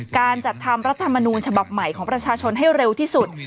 การจัดทำรัฐมนูญฉบับใหม่ของประชาชนให้เร็วที่สุด